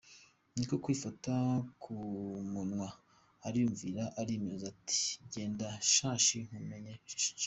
Ni ko kwifata ku munwa ariyumvira, arimyoza ati “ Genda shashi nkumenye nshaje.